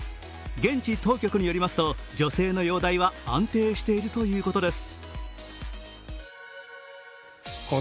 現地当局によりますと、女性の容体は安定しているということです。